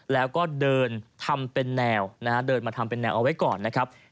แล้วก็เดินทำเป็นแนวเอาไว้ก่อนนะครับ